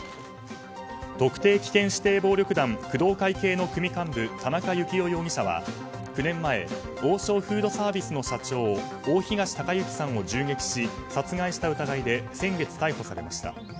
特定危険指定暴力団工藤会系の組幹部田中幸雄容疑者は９年前王将フードサービスの社長大東隆行さんを銃撃し殺害した疑いで先月、逮捕されました。